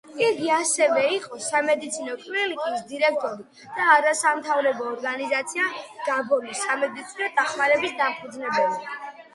იგი ასევე იყო სამედიცინო კლინიკის დირექტორი და არასამთავრობო ორგანიზაცია „გაბონის სამედიცინო დახმარების“ დამფუძნებელი.